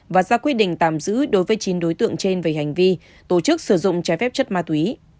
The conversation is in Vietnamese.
và ra quy định tạm giữ đối với chín đối tượng trên về hành vi tổ chức sử dụng trái phép chất ma túy